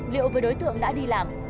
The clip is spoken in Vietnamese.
liệu với đối tượng đã đi làm